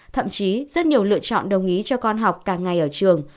thậm chí rất nhiều lựa chọn đồng ý cho con học cả ngày ở trường